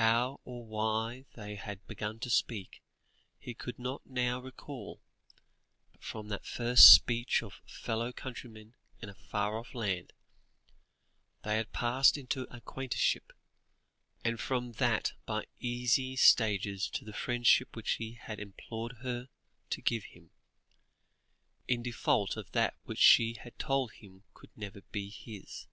How or why they had begun to speak, he could not now recall, but from that first speech of fellow countrymen in a far off land, they had passed into acquaintanceship, and from that by easy stages to the friendship which he had implored her to give him, in default of that which she had told him could never be his.